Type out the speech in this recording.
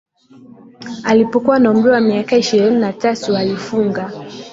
Alipokuwa na umri wa miaka ishirini na tatu alifunga